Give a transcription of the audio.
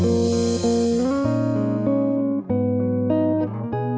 tapi patah patah aku sudah tahan